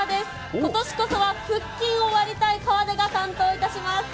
今年こそは腹筋を割りたい河出が担当いたします。